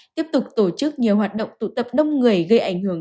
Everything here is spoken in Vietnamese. tiếp tục tổ chức nhiều hoạt động tụ tập đông người gây ảnh hưởng